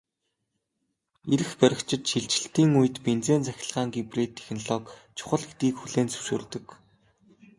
Эрх баригчид шилжилтийн үед бензин-цахилгаан гибрид технологи чухал гэдгийг хүлээн зөвшөөрдөг.